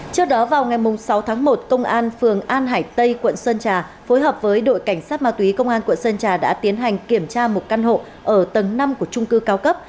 trước đó vào ngày sáu tháng một công an phường an hải tây quận sơn trà phối hợp với đội cảnh sát ma túy công an quận sơn trà đã tiến hành kiểm tra một căn hộ ở tầng năm của trung cư cao cấp